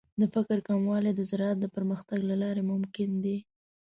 د فقر کمول د زراعت د پرمختګ له لارې ممکن دي.